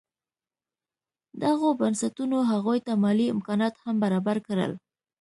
دغو بنسټونو هغوی ته مالي امکانات هم برابر کړل.